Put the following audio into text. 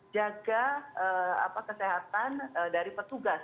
jaga kesehatan dari petugas